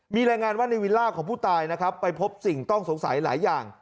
มีรายงานว่าในวิลล่าของผู้ตายนะครับไปพบสิ่งต้องสงสัยหลายอย่าง